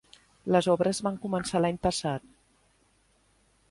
Les obres van començar l'any passat.